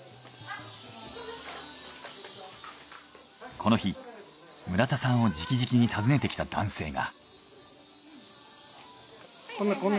この日村田さんをじきじきに訪ねてきた男性が。